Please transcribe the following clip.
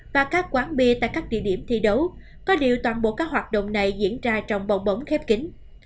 và các quán bia tại các địa điểm thi đấu có điều toàn bộ các hoạt động này diễn ra trong bầu bóng khép kính